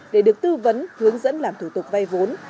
để được tư vấn hướng dẫn làm thủ tục vay vốn